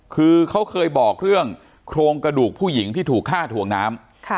คือเขาเคยบอกเรื่องโครงกระดูกผู้หญิงที่ถูกฆ่าถ่วงน้ำ